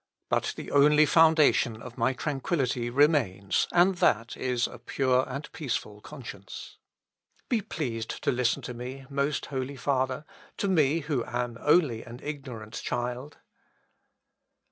But the only foundation of my tranquillity remains, and that is a pure and peaceful conscience. Be pleased to listen to me, most Holy Father, to me, who am only an ignorant child."